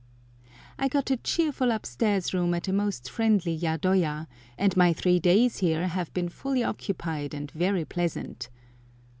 I got a cheerful upstairs room at a most friendly yadoya, and my three days here have been fully occupied and very pleasant.